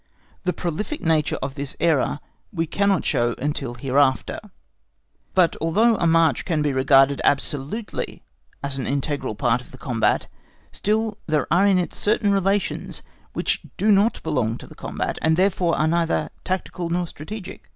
The prolific nature of this error we cannot show until hereafter. But although a march can be regarded absolutely as an integral part of the combat, still there are in it certain relations which do not belong to the combat, and therefore are neither tactical nor strategic.